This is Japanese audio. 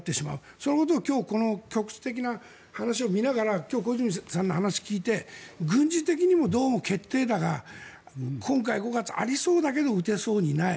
そのことを今日局地的な話を見ながら今日、小泉さんの話を聞いて軍事的にも決定打が今回、５月、ありそうだけど打てそうにない。